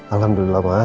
alhamdulillah ma sehat